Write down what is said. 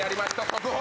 速報！